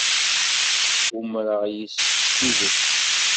Umreɣ yes-k s tidet.